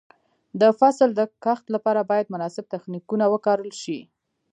د فصل د کښت لپاره باید مناسب تخنیکونه وکارول شي.